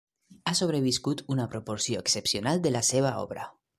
Ha sobreviscut una proporció excepcional de la seva obra.